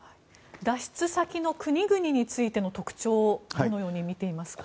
脱出先の国々についての特徴をどのように見ていますか？